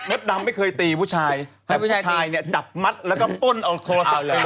มดดำไม่เคยตีผู้ชายแต่ผู้ชายเนี่ยจับมัดแล้วก็ปุ้นอัลโคลสไปเลย